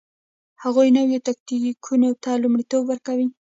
هغوی نویو تکتیکونو ته لومړیتوب ورکوي